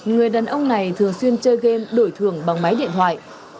người đàn ông này thường xuyên chơi game đổi thưởng bằng máy điện thoại